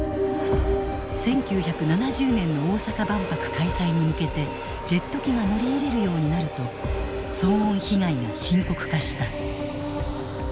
１９７０年の大阪万博開催に向けてジェット機が乗り入れるようになると騒音被害が深刻化した。